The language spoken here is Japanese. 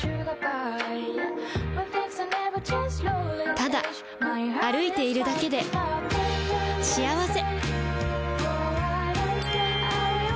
ただ歩いているだけで幸せ